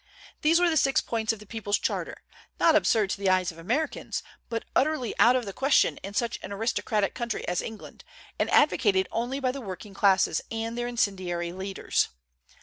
These were the six points of the people's charter, not absurd to the eyes of Americans, but utterly out of the question in such an aristocratic country as England, and advocated only by the working classes and their incendiary leaders.